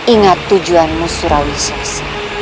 ingat tujuanmu surawis